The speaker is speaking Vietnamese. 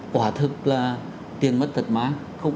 quả thực là tiền mất thật mang